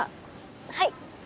はい。